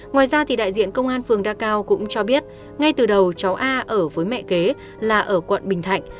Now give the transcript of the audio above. ngoài ra đại diện công an phường đa cao cũng cho biết ngay từ đầu cháu a ở với mẹ kế là ở quận bình thạnh